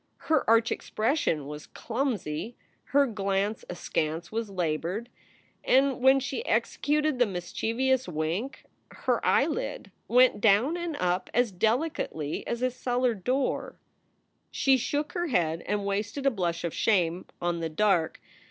Her arch expression was clumsy. Her glance askance was labored, and when she executed the mischievous wink her eyelid went down and up as delicately as a cellar door. She shook her head and wasted a blush of shame on the dark.